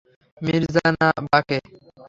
মির্জা না বাকে?